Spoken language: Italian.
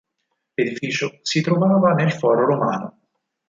L'edificio si trovava nel Foro Romano.